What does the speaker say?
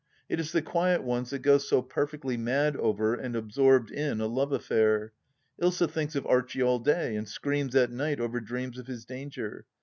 It is the quiet ones that go so perfectly mad over and absorbed in a love affair. Ilsa thinks of Archie all day, and screams at night over dreams of his danger.